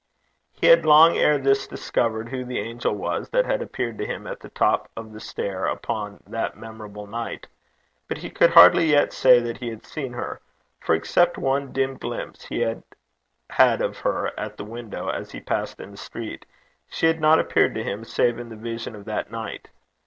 He had long ere this discovered who the angel was that had appeared to him at the top of the stair upon that memorable night; but he could hardly yet say that he had seen her; for, except one dim glimpse he had had of her at the window as he passed in the street, she had not appeared to him save in the vision of that night.